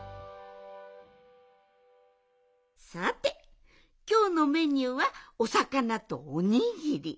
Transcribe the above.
さてきょうのメニューはおさかなとおにぎり。